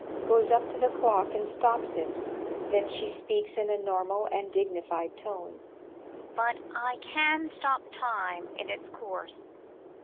[Goes up to the clock and stops it; then she speaks in a normal and dignified tone] But I can stop time in its course.